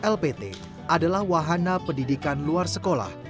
lpt adalah wahana pendidikan luar sekolah